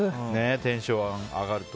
テンション上がると。